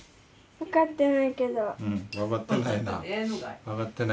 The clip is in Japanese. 分かってないな。